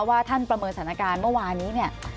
ว่าท่านประเมินสถานการณ์เมื่อวานี้เนี่ย